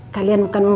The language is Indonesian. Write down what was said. kalian bukan memukri